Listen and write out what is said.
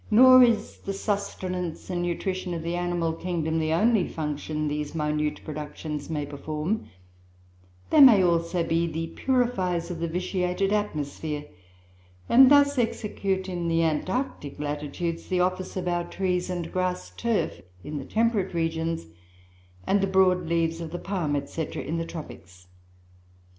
Nor is the sustenance and nutrition of the animal kingdom the only function these minute productions may perform; they may also be the purifiers of the vitiated atmosphere, and thus execute in the Antarctic latitudes the office of our trees and grass turf in the temperate regions, and the broad leaves of the palm, &c., in the tropics."